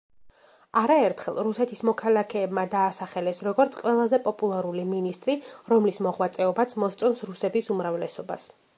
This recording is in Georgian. არაერთხელ, რუსეთის მოქალაქეებმა დაასახელეს როგორც „ყველაზე პოპულარული მინისტრი, რომლის მოღვაწეობაც მოსწონს რუსების უმრავლესობას“.